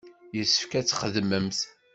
Yessefk ad txedmemt.